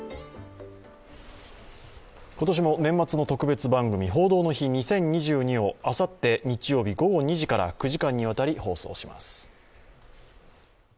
今年も年末の特別番組「報道の日２０２２」をあさって日曜日午後２時から９時間にわたり放送します。